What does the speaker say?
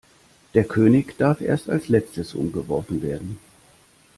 Der König darf erst als Letztes umgeworfen werden.